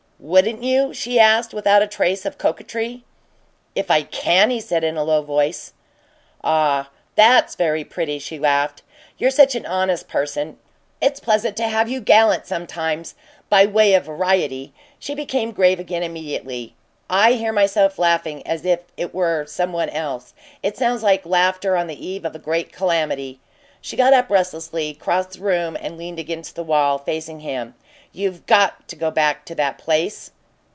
"Wouldn't you?" she asked, without a trace of coquetry. "If I CAN!" he said, in a low voice. "Ah, that's very pretty!" she laughed. "You're such an honest person, it's pleasant to have you gallant sometimes, by way of variety." She became grave again immediately. "I hear myself laughing as if it were some one else. It sounds like laughter on the eve of a great calamity." She got up restlessly, crossed the room and leaned against the wall, facing him. "You've GOT to go back to that place?"